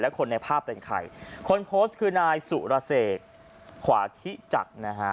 คนในภาพเป็นใครคนโพสต์คือนายสุรเสกขวาธิจักรนะฮะ